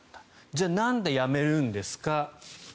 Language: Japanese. じゃあ、なんで辞めるんですか。